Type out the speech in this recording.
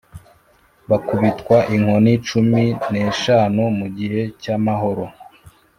bakubitwa inkoni cumi n eshanu mu gihe cy amahoro